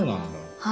はい。